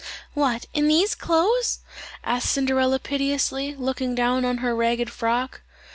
"What, in these clothes?" said Cinderella piteously, looking down on her ragged frock.